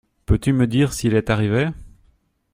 Peux-tu me dire si elle est arrivée?